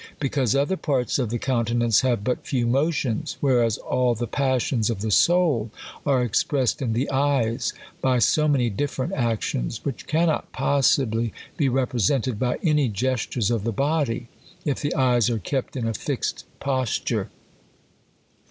" Because other parts of the countenance have but few motions ; whereas all the passions of the soul are expressed in the eyes, by &o many different actions; . which cannot possibly be represented by any gestures of the body, if the eyes are kept in a fixed posture."